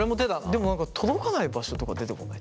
でも何か届かない場所とか出てこない？